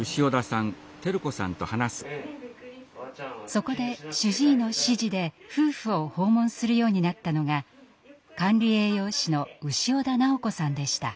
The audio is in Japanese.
そこで主治医の指示で夫婦を訪問するようになったのが管理栄養士の潮田直子さんでした。